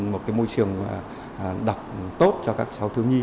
một môi trường đọc tốt cho các cháu thương nhi